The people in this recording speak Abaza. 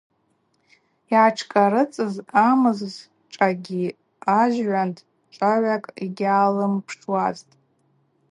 Йгӏатшкӏарыцӏыз амызшӏагьи ажвгӏванд чӏвагӏвакӏ йгьгӏалымшуазтӏ.